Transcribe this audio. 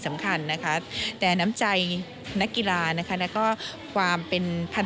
สำคัญนะคะแต่น้ำใจนักกีฬานะคะแล้วก็ความเป็นพัน